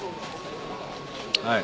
はい。